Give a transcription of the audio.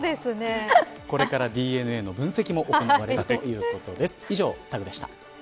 これからＤｅＮＡの分析も行われる予定です。